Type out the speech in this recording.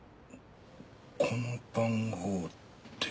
この番号って。